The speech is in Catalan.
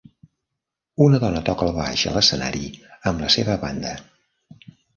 Una dona toca el baix a l'escenari amb la seva banda.